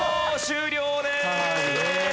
終了です。